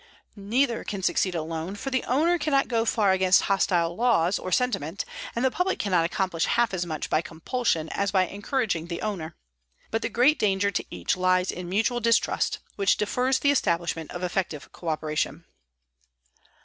Neither can succeed alone, for the owner cannot go far against hostile laws or sentiment, and the public cannot accomplish half as much by compulsion as by encouraging the owner. But the great danger to each lies in mutual distrust, which defers the establishment of effective coöperation.